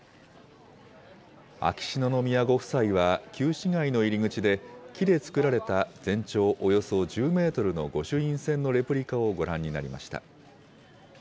秋篠宮ご夫妻は、旧市街の入り口で、木で造られた全長およそ１０メートルの御朱印船のレプリカをご覧になりました。